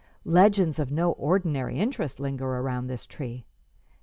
'Legends of no ordinary interest linger around this tree.